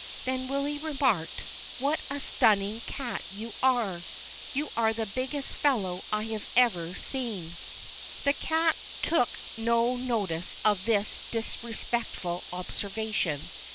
Then Willy remarked, "What a stunning cat you are ; you are the biggest fellow I have ever seen." The cat took no notice of this disrespectful observa tion.